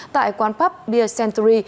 tại quán pub beer century